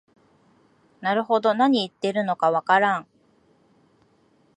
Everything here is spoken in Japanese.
なるほど、なに言ってるのかわからん